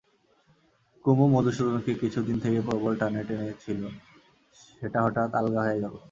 কুমু মধুসূদনকে কিছুদিন থেকে প্রবল টানে টেনেছিল, সেটা হঠাৎ আলগা হয়ে গেল।